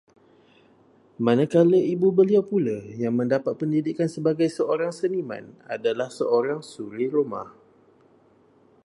Manakala ibu beliau pula yang mendapat pendidikan sebagai seorang seniman, adalah seorang suri rumah